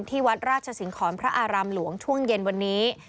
ที่วัดราชสิงหอนพระอารามหลวงช่วงเย็นวันนี้